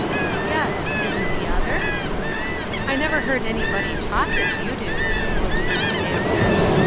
" Yes ; isn't the other ?"" I never heard anybody talk as you do," was Ruth's answer.